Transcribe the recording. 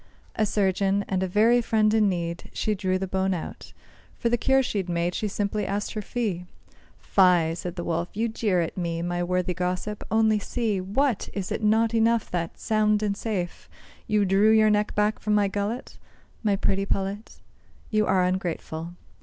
A surgeon, and a very friend in need, She drew the bone out. For the cure she'd made She simply asked her fee. "Fie!" said the Wolf, "you jeer at me, My worthy gossip. Only see: What! is it not enough that, sound and safe, You drew your neck back from my gullet, My pretty pullet? You are ungrateful.